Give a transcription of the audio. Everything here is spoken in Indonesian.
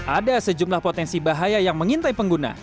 ada sejumlah potensi bahaya yang mengintai pengguna